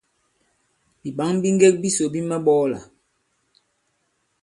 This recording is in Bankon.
Bìɓǎŋ bi ŋgek bisò bi maɓɔɔlà.